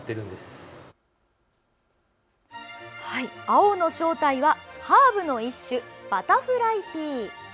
青の正体は、ハーブの一種バタフライピー。